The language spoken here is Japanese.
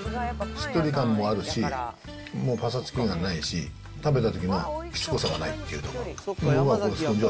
しっとり感もあるし、もうぱさつきがないし、食べたときにしつこさがないっていうのが。